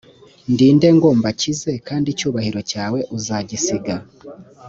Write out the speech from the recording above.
ndi inde ngo mbakize kandi icyubahiro cyawe uzagisiga